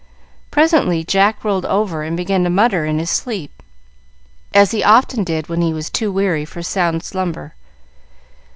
Presently Jack rolled over and began to mutter in his sleep, as he often did when too weary for sound slumber.